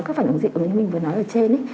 các phản ứng dị ứng như mình vừa nói ở trên